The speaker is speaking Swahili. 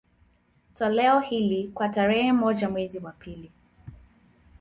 Toleo hili, kwa tarehe moja mwezi wa pili